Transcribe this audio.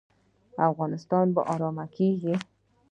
افغانستان به ارام کیږي؟